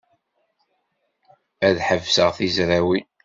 Ad ḥebseɣ tizrawin.